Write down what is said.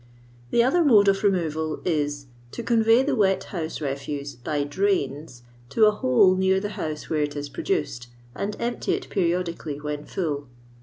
The other mode of removal is, to convey the wet house refuse, by drains, to a hole near the house where it is produced, and empty it periodi cally when full.